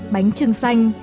bánh trưng xanh